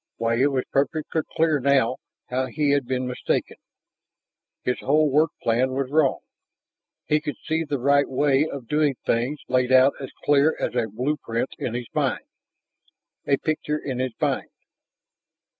Why, it was perfectly clear now how he had been mistaken! His whole work plan was wrong; he could see the right way of doing things laid out as clear as a blueprint in his mind. A picture in his mind!